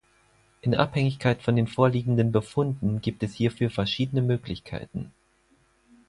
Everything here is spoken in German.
In Abhängigkeit von den vorliegenden Befunden gibt es hierfür verschiedene Möglichkeiten.